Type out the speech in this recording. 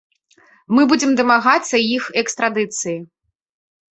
Мы будзем дамагацца іх экстрадыцыі.